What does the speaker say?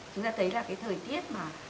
chúng ta thấy là cái thời tiết